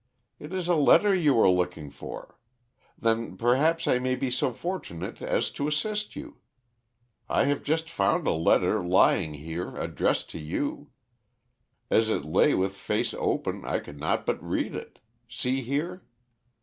It is a letter you are looking for. Then perhaps I may be so fortunate as to assist you. I have just found a letter lying here addressed to you. As it lay with face open I could not but read it. See here!"